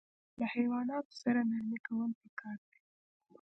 له حیواناتو سره نرمي کول پکار دي.